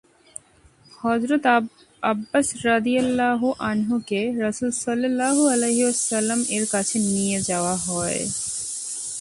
হযরত Abbas রাযিয়াল্লাহু আনহু-কে রাসূল সাল্লাল্লাহু আলাইহি ওয়াসাল্লাম-এর কাছে নিয়ে যাওয়া হয়।